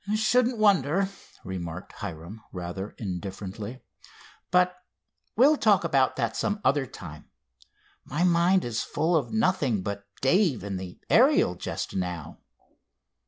"Shouldn't wonder," remarked Hiram rather indifferently, "but we'll talk about that some other time. My mind is full of nothing but Dave and the Ariel just now.